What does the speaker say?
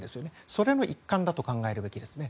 それの一環だと考えるべきですね。